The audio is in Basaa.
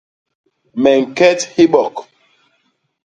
Me ñket hibok.